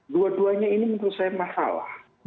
dua duanya ini menurut saya masalah